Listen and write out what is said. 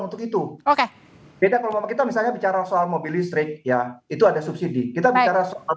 untuk itu oke beda kalau kita misalnya bicara soal mobil listrik ya itu ada subsidi kita bicara soal